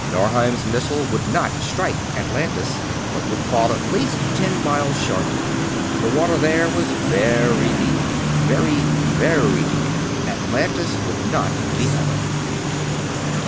Norheim's missile would not strike Atlantis, but would fall at least ten miles short, and the water there was very deep. Very, very deep. Atlantis would not be harmed.